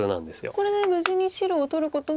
これで無事に白を取ることは。